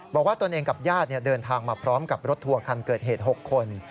ตนเองกับญาติเดินทางมาพร้อมกับรถทัวร์คันเกิดเหตุ๖คน